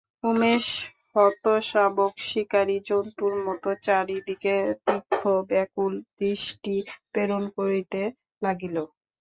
উমেশ হৃতশাবক শিকারি জন্তুর মতো চারি দিকে তীক্ষ্ম ব্যাকুল দৃষ্টি প্রেরণ করিতে লাগিল।